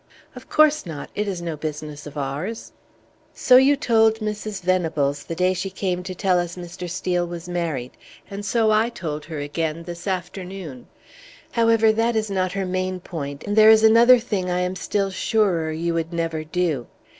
"Of course not; it is no business of ours." "So you told Mrs. Venables the day she came to tell us Mr. Steel was married, and so I told her again this afternoon. However, that is not her main point, and there is another thing I am still surer you would never do.